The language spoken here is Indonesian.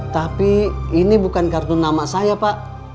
tapi ini bukan kartu nama saya pak